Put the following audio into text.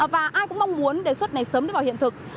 và ai cũng mong muốn đề xuất này sớm đi vào hiện thực